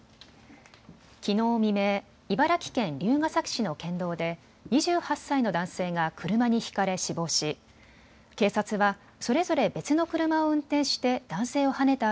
きのう未明、茨城県龍ケ崎市の県道で２８歳の男性が車にひかれ死亡し警察は、それぞれ別の車を運転して男性をはねた